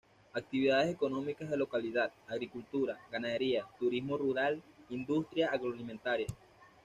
Actividades económicas de localidad: agricultura, ganadería, turismo rural, industria agroalimentaria.